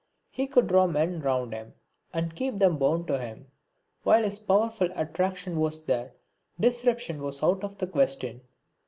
He could draw men round him and keep them bound to him; while his powerful attraction was there, disruption was out of the question.